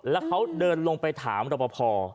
แล้วเขาเดินลงไปถามรบพอ